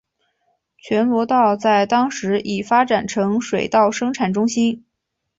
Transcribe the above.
全罗道在当时已发展成水稻生产中心。